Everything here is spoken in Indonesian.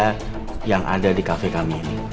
biar biaya yang ada di kafe kami ini